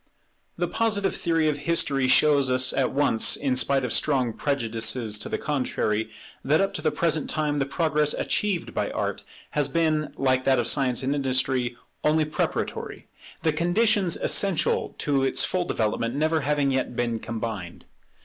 The Positive theory of history shows us at once, in spite of strong prejudices to the contrary, that up to the present time the progress achieved by Art has been, like that of Science and Industry, only preparatory; the conditions essential to its full development never having yet been combined.